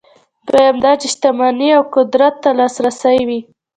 دویم دا چې شتمنۍ او قدرت ته لاسرسی وي.